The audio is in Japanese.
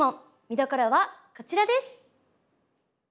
みどころはこちらです！